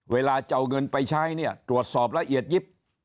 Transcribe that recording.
เวลาจะเอาเงินไปใช้เนี่ยตรวจสอบละเอียดยิบ